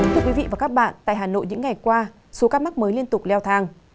thưa quý vị và các bạn tại hà nội những ngày qua số ca mắc mới liên tục leo thang